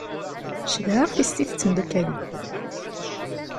Cedhaɣ tissit d temdukal-iw.